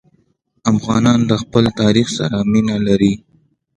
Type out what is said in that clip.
افغانان د خپل تاریخ سره مینه لري.